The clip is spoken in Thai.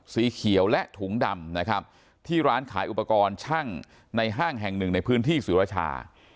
สีเขียวและถุงดำนะครับที่ร้านขายอุปกรณ์ช่างในห้างแห่งหนึ่งในพื้นที่สุรชา